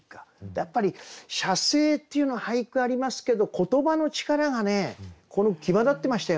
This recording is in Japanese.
やっぱり写生っていうの俳句ありますけど言葉の力がねこの句際立ってましたよね。